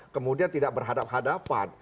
kemudian tidak berhadapan hadapan